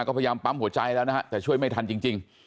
ก็พยายามปั๊มหัวใจแล้วนะฮะแต่ช่วยไม่ทันจริง